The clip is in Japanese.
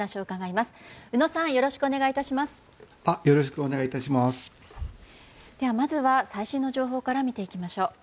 まずは最新の情報から見ていきます。